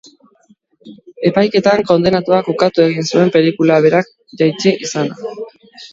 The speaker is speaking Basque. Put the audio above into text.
Epaiketan, kondenatuak ukatu egin zuen pelikula berak jaitsi izana.